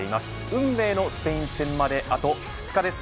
運命のスペイン戦まであと２日です。